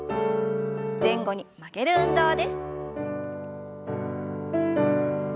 前後に曲げる運動です。